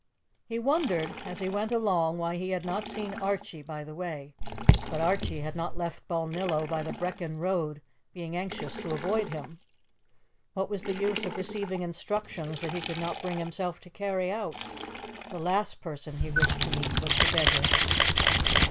He wondered, as he went along, why he had not seen Archie by the way; but Archie had not left Balnillo by the Brechin road, being anxious to avoid him. What was the use of receiving instructions that he could not bring himself to carry out? The last person he wished to meet was the beggar.